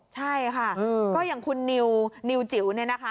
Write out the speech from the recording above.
ใช่ค่ะก็อย่างคุณนิวนิวจิ๋วเนี่ยนะคะ